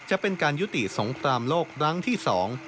จะเป็นการยุติสงครามโลกครั้งที่สอง